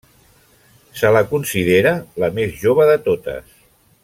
Se la considera la més jove de totes.